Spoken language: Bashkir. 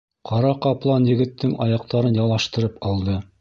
— Ҡара ҡаплан егеттең аяҡтарын ялаштырып алды.